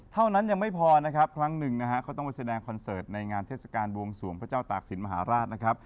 เท่านั้นยังไม่พอนะครับครั้งหนึ่งนะฮะเขาต้องไปแสดงคอนเสิร์ตในงานเทศกาลบวงสวงพระเจ้าตากศิลปมหาราชนะครับ